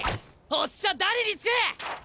おっしゃ誰につく！？